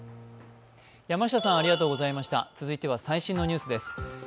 続いては最新のニュースです。